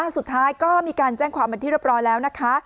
สุดท้ายก็มีการแจ้งความบรรทิบตอนพบแล้วนะคะ